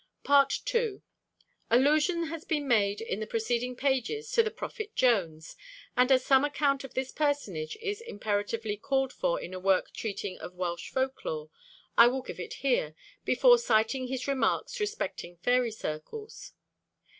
II. Allusion has been made in the preceding pages to the Prophet Jones, and as some account of this personage is imperatively called for in a work treating of Welsh folk lore, I will give it here, before citing his remarks respecting fairy circles.